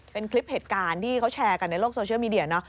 เป็นคลิปเหตุการณ์ที่เขาแชร์กันในโลกโซเชียลมีเดียเนาะ